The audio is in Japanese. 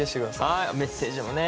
はいメッセージもね。